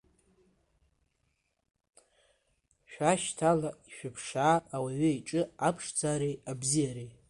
Шәашьҭала, ишәыԥшаа ауаҩы иҿы аԥшӡареи, абзиареи.